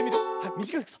みじかいくさ。